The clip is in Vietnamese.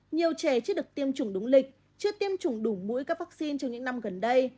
nhiều trẻ chưa được tiêm chủng đúng lịch chưa tiêm chủng đủ mũi các vaccine trong những năm gần đây